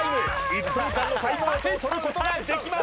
１分間のタイムアウトを取ることができます